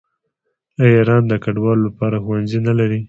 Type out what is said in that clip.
آیا ایران د کډوالو لپاره ښوونځي نلري؟